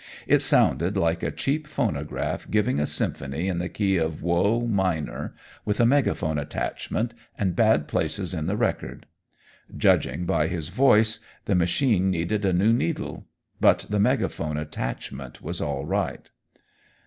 It sounded like a cheap phonograph giving a symphony in the key of woe minor, with a megaphone attachment and bad places in the record. Judging by his voice, the machine needed a new needle. But the megaphone attachment was all right.